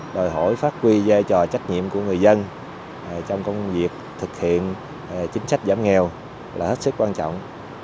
đòi hỏi phát huy giai trò trách nhiệm của người dân trong công việc thực hiện chính sách giảm nghèo là hết sức quan trọng